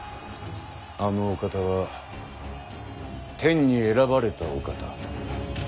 あのお方は天に選ばれたお方。